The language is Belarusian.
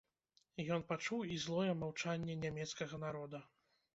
Ён пачуў і злое маўчанне нямецкага народа.